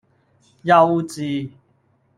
幼稚!